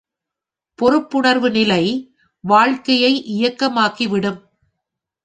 பொறுப்புணர்ந்த நிலை, வாழ்க்கையை இயக்கமாக்கி விடும்.